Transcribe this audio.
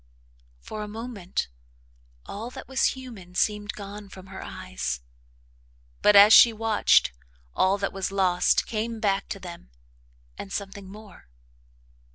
For a moment, all that was human seemed gone from her eyes, but, as she watched, all that was lost came back to them, and something more.